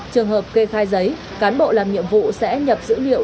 trường hợp kê khai giấy cán bộ làm nhiệm vụ sẽ nhập dữ liệu